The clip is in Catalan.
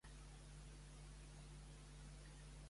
Quina dificultat veu Calvo, tanmateix?